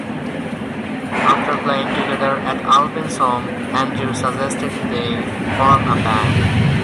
After playing together at Albin's home, Andrew suggested they form a band.